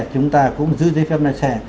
chúng ta cũng giữ dưới phép lái xe